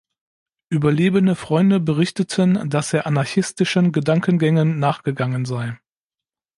Überlebende Freunde berichteten, dass er anarchistischen Gedankengängen nachgegangen sei.